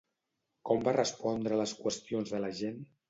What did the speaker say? Com va respondre a les qüestions de la gent?